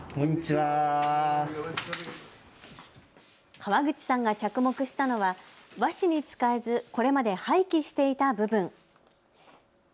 川口さんが着目したのは和紙に使えずこれまで廃棄していた部分。